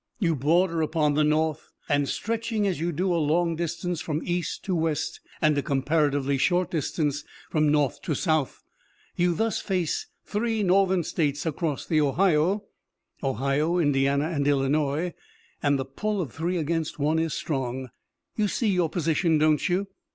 You border upon the North, and stretching as you do a long distance from east to west and a comparatively short distance from north to south, you thus face three Northern States across the Ohio Ohio, Indiana and Illinois, and the pull of three against one is strong. You see your position, don't you?